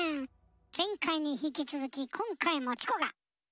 前回に引き続き今回もチコが」。